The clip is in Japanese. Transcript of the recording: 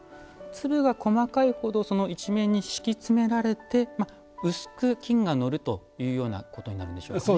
粒が細かいほど一面に敷き詰められて薄く金がのるというようなことになるんでしょうかね。